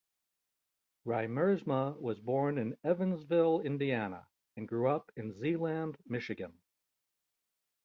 Riemersma was born in Evansville, Indiana and grew up in Zeeland, Michigan.